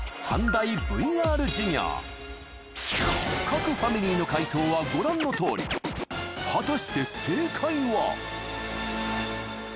各ファミリーの解答はご覧のとおり果たして正解は？